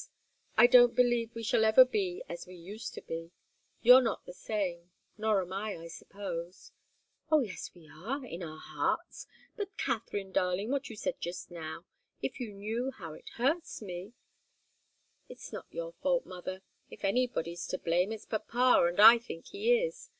I don't believe we shall ever be just as we used to be. You're not the same nor am I, I suppose." "Oh, yes we are in our hearts. But, Katharine, darling what you said just now if you knew how it hurts me " "It's not your fault, mother. If anybody's to blame, it's papa, and I think he is.